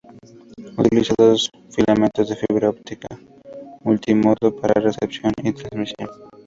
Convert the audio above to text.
Utiliza dos filamentos de fibra óptica multi-modo para recepción y transmisión.